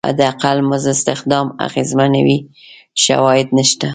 حداقل مزد استخدام اغېزمنوي شواهد نشته.